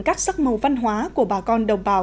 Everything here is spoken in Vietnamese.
các sắc màu văn hóa của bà con đồng bào